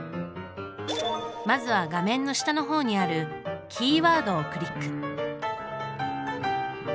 まずは画面の下の方にある「キーワード」をクリック。